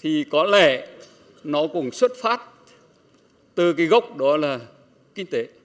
thì có lẽ nó cũng xuất phát từ cái gốc đó là kinh tế